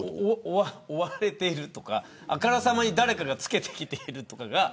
追われているとかあからさまに誰かがつけて来ているとか。